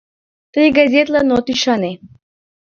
Тый газетлан от ӱшане.